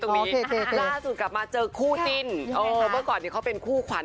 ตรงนี้สุดกลับมาเจอคู่จิ้นบ่อเก่าเป็นคู่ขวัญ